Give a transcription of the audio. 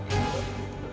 ya allah gimana ini